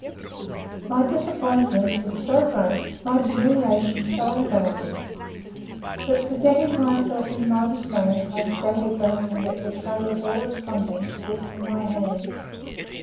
My disappointment was so great, my humiliation so unbounded, that, forgetting myself in my dismay, I staggered back and let the tray with all its contents slip from my hands.